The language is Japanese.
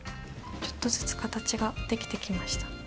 ちょっとずつ形ができてきました。